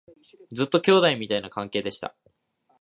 ずっと兄弟みたいな関係でした